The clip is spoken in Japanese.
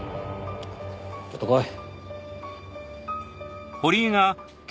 ちょっと来い。